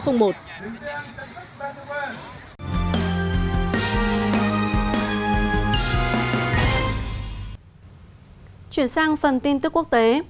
chuyển sang phần tin tức quốc tế